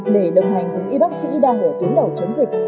để đồng hành cùng y bác sĩ đang ở tuyến đầu chống dịch